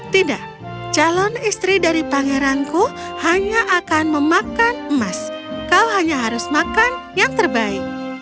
tidak calon istri dari pangeranku hanya akan memakan emas kau hanya harus makan yang terbaik